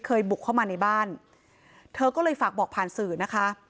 บุกเข้ามาในบ้านเธอก็เลยฝากบอกผ่านสื่อนะคะ